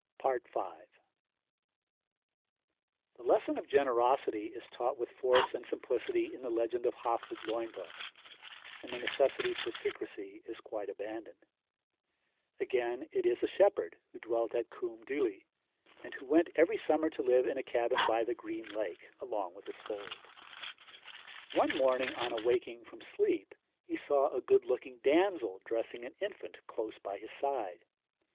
V. The lesson of generosity is taught with force and simplicity in the legend of Hafod Lwyddog, and the necessity for secrecy is quite abandoned. Again it is a shepherd, who dwelt at Cwm Dyli, and who went every summer to live in a cabin by the Green Lake (Llyn Glas) along with his fold. One morning on awaking from sleep he saw a good looking damsel dressing an infant close by his side.